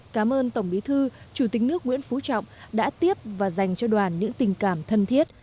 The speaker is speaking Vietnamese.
cảm ơn tổng bí thư chủ tịch nước nguyễn phú trọng đã tiếp và dành cho đoàn những tình cảm thân thiết